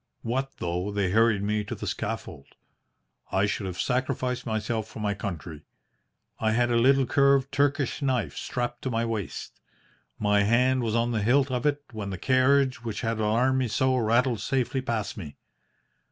What though they hurried me to the scaffold? I should have sacrificed myself for my country. I had a little curved Turkish knife strapped to my waist. My hand was on the hilt of it when the carriage which had alarmed me so rattled safely past me.